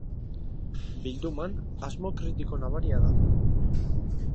Bilduman asmo kritiko nabaria da.